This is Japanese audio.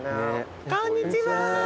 こんにちは！